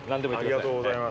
ありがとうございます。